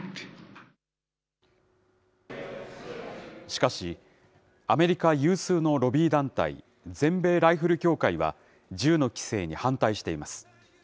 しかし、アメリカ有数のロビー団体、全米ライフル協会は、銃の規制に反対しています。